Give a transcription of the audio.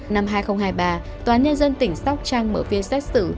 năm hai nghìn hai mươi ba tòa nhân dân tỉnh sóc trăng mở phía xét xử